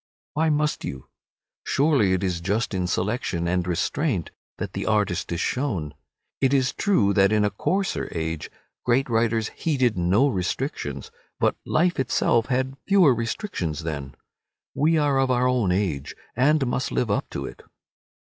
Why must you? Surely it is just in selection and restraint that the artist is shown. It is true that in a coarser age great writers heeded no restrictions, but life itself had fewer restrictions then. We are of our own age, and must live up to it.